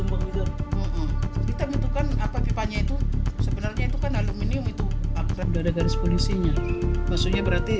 banyaknya itu sebenarnya itu kan aluminium itu ada garis polisinya maksudnya berarti